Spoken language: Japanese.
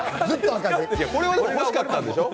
これは欲しかったんでしょう。